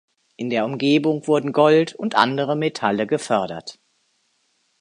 In der Umgebung wurden Gold und andere Metalle gefördert.